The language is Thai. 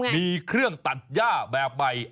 มีเครื่องตัดย่าแบบใหม่